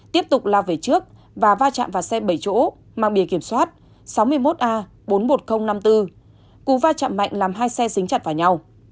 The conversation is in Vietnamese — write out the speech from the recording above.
tiếp tục lao về trước và va chạm vào xe bảy chỗ mang bìa kiểm soát sáu mươi một a bốn mươi một nghìn năm mươi bốn cú va chạm mạnh làm hai xe xính chặt vào nhau